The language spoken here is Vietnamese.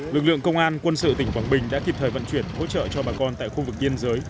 lực lượng công an quân sự tỉnh quảng bình đã kịp thời vận chuyển hỗ trợ cho bà con tại khu vực biên giới